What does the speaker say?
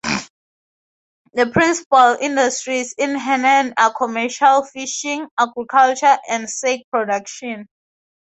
The principal industries in Hannan are commercial fishing, agriculture and sake production.